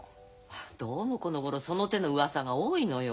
どうもこのごろその手のうわさが多いのよ。